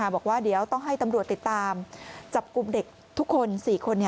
บอกว่าเดี๋ยวต้องให้ตำรวจติดตามจับกลุ่มเด็กทุกคน๔คน